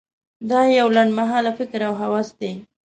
دا یو لنډ مهاله فکر او هوس دی.